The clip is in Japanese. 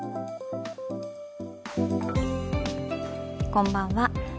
こんばんは。